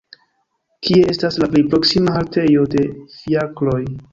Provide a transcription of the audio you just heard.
Kie estas la plej proksima haltejo de fiakroj!